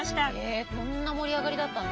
えこんな盛り上がりだったんだ。